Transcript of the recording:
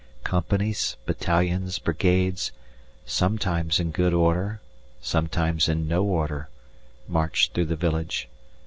Companies, battalions, brigades, sometimes in good order, sometimes in no order, marched through the village.